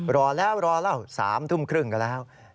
รอแล้วรอเล่า๓ทุ่มครึ่งกันแล้ว